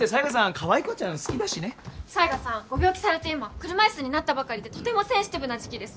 かわい子ちゃん好きだしね犀賀さんご病気されて今車椅子になったばかりでとてもセンシティブな時期です